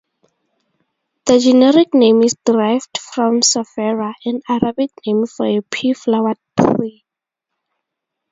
The generic name is derived from "sophera", an Arabic name for a pea-flowered tree.